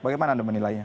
bagaimana anda menilainya